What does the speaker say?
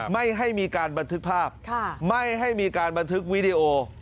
ไม่ให้มีการบันทึกภาพไม่ให้มีการบันทึกวิดีโอ